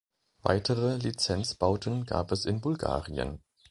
Weitere Lizenzbauten gab es in Bulgarien.